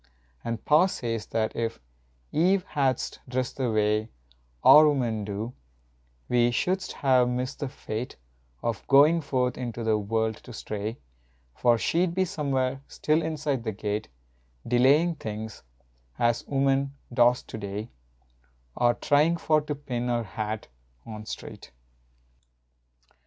And pa says that if Eve hadst dressed the way Our women do we shouldst have missed the fate Of goin forth into the world to stray, For she d be somewhere, still, inside the gate Delayin things, as women dost to day, A tryin for to pin her hat on straight.